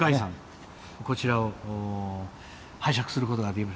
こちらを拝借することができました。